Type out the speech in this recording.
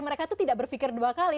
mereka itu tidak berpikir dua kali